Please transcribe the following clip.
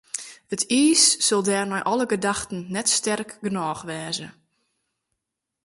It iis sil dêr nei alle gedachten net sterk genôch wêze.